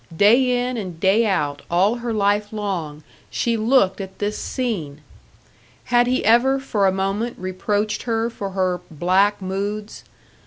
Day in and day out, all her life long, she looked at this scene! Had he ever for a moment reproached her for her "black moods"?